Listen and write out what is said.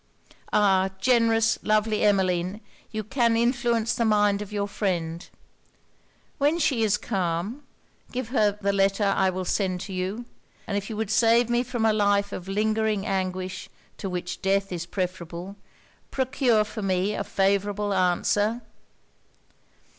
Ah! generous, lovely Emmeline! you can influence the mind of your friend. When she is calm, give her the letter I will send to you; and if you would save me from a life of lingering anguish to which death is preferable, procure for me a favourable answer.'